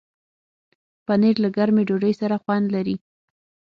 پنېر له ګرمې ډوډۍ سره خوند لري.